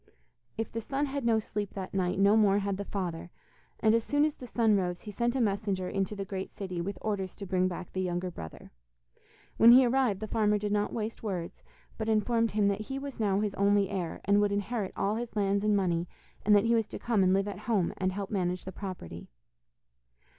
If the son had no sleep that night, no more had the father, and as soon as the sun rose, he sent a messenger into the great city with orders to bring back the younger brother. When he arrived the farmer did not waste words, but informed him that he was now his only heir, and would inherit all his lands and money, and that he was to come and live at home, and to help manage the property.